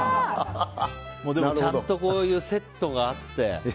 でもちゃんとこういうセットがあって。